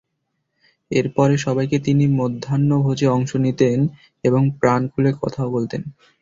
এরপরে সবাইকে নিয়ে তিনি মধ্যাহ্নভোজে অংশ নিতেন এবং প্রাণ খুলে কথাও বলতেন।